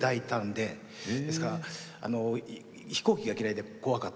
ですから飛行機が嫌いで怖かったりとか。